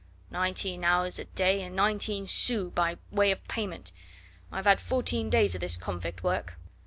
"Nineteen hours a day, and nineteen sous by way of payment.... I have had fourteen days of this convict work..."